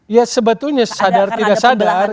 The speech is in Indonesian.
ya sebetulnya sadar tidak sadar